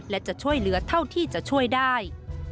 และจะช่วยเหลือเท่าที่จะช่วยได้